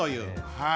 はい。